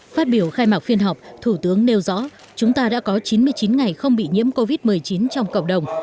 phát biểu khai mạc phiên họp thủ tướng nêu rõ chúng ta đã có chín mươi chín ngày không bị nhiễm covid một mươi chín trong cộng đồng